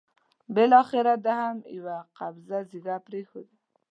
بالاخره ده هم یوه قبضه ږیره پرېښوده.